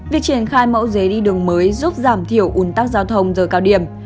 việc triển khai mẫu giấy đi đường mới giúp giảm thiểu ủn tắc giao thông giờ cao điểm